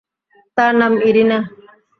তার নাম ইরিনা।